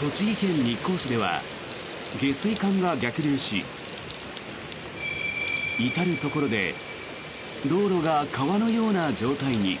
栃木県日光市では下水管が逆流し至るところで道路が川のような状態に。